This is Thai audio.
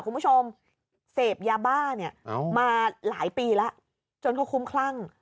คุณผู้ชมเสพยาบ้าเนี่ยมาหลายปีแล้วจนเขาคุ้มคลั่ง